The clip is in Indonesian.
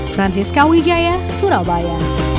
francisca wijaya surabaya